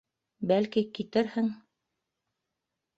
Бәлки, китерһең...